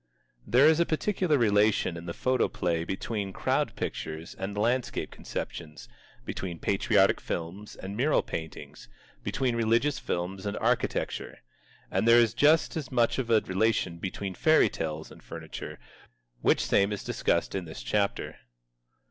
There is a particular relation in the photoplay between Crowd Pictures and landscape conceptions, between Patriotic Films and mural paintings, between Religious Films and architecture. And there is just as much of a relation between Fairy Tales and furniture, which same is discussed in this chapter.